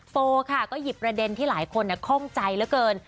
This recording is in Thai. โฟค่ะก็หยิบประเด็นที่หลายคนคล่องใจเหลือเกิน